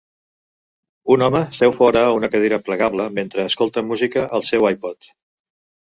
Un home seu fora a una cadira plegable mentre escolta música al seu iPod.